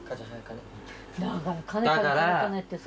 だから金金金ってさ。